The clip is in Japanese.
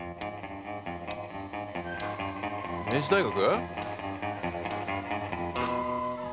明治大学？